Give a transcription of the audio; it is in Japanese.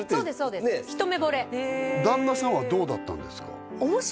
そうです旦那さんはどうだったんですか？